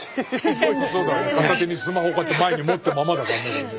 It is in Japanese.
片手にスマホこうやって前に持ったままだからね。